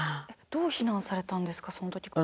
どう避難されたんですかその時。